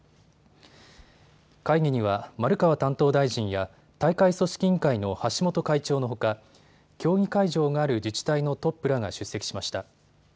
会議には丸川担当大臣や大会組織委員会の橋本会長のほか、競技会場がある自治体のトップらが出席しました。